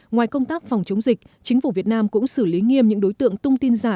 ngoài công tác phòng chống dịch chính phủ việt nam cũng xử lý nghiêm những đối tượng tung tin giả